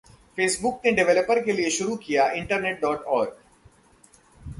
Facebook ने developer के लिए शुरू किया internet.org